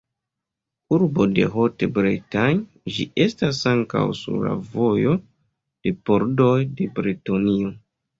Urbo de Haute-Bretagne, ĝi estas ankaŭ sur la vojo de pordoj de Bretonio.